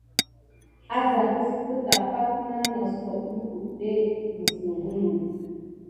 Ása ésəkué pay kin tate kiskobe lukudé mis nikule aɗef.